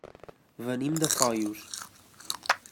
Venim de Foios.